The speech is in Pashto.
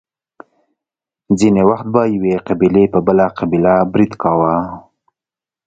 ځینې وخت به یوې قبیلې په بله قبیله برید کاوه.